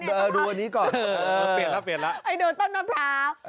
เปลี่ยนละดูต้นมะพร้าว